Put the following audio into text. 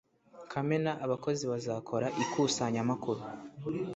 Kamena abakozi bazakora ikusanyamakuru